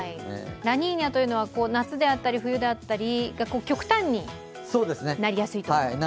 ラニーニャというのは、夏であったり、冬であったりというのが極端になりやすいということ。